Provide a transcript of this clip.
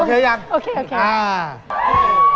ถึงของที่